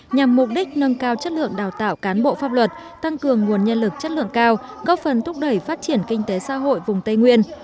nhằm mục đích nâng cao chất lượng đào tạo cán bộ pháp luật tăng cường nguồn nhân lực chất lượng cao góp phần thúc đẩy phát triển kinh tế xã hội vùng tây nguyên